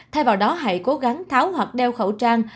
thay vào đó hãy cố gắng tháo hoặc đeo khẩu trang